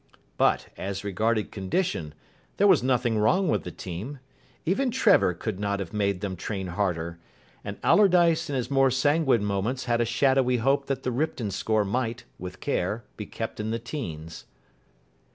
But, as regarded condition, there was nothing wrong with the team. Even Trevor could not have made them train harder; and Allardyce in his more sanguine moments had a shadowy hope that the Ripton score might, with care, be kept in the teens.